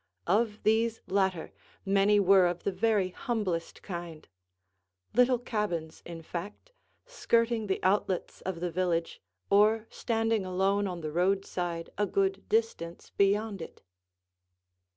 Of these latter, many were of the very humblest kind; little cabins, in fact, skirting the outlets of the village, or standing alone on the roadside a good distance beyond it.